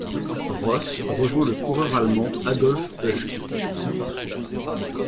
Ross rejoint le coureur allemand Adolf Huschke.